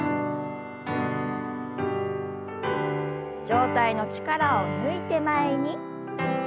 上体の力を抜いて前に。